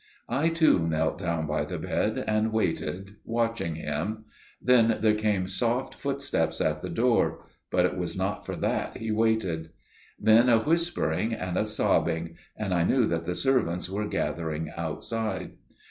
I too knelt down by the bed and waited watching him. Then there came soft footsteps at the door, but it was not for that he waited. Then a whispering and a sobbing: and I knew that the servants were gathering outside.